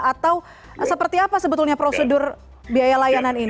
atau seperti apa sebetulnya prosedur biaya layanan ini